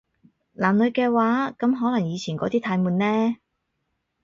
男女嘅話，噉可能以前嗰啲太悶呢